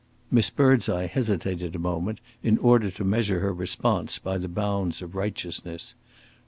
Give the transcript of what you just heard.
Miss Birdseye hesitated a moment, in order to measure her response by the bounds of righteousness.